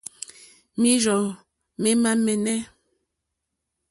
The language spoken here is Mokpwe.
Mǐrzɔ̀ mémá mɛ́nɛ̌.